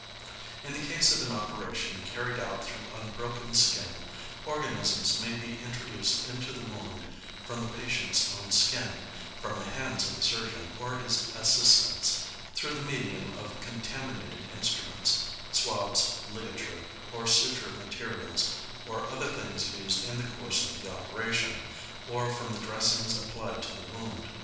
In the case of an operation carried out through unbroken skin, organisms may be introduced into the wound from the patient's own skin, from the hands of the surgeon or his assistants, through the medium of contaminated instruments, swabs, ligature or suture materials, or other things used in the course of the operation, or from the dressings applied to the wound.